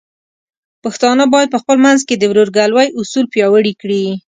پښتانه بايد په خپل منځ کې د ورورګلوۍ اصول پیاوړي کړي.